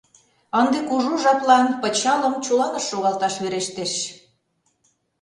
— Ынде кужу жаплан пычалым чуланыш шогалташ верештеш.